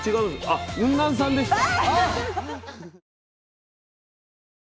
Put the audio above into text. あっウンナンさんでした。